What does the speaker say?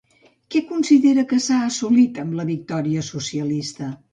Què considera que s'ha assolit amb la victòria socialista?